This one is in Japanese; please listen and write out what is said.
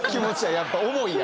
やっぱり思いや！